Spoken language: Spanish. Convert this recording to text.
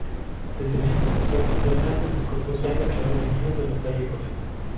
Desde la infestación, los habitantes de Scorpio se han declarado enemigos de los terrícolas.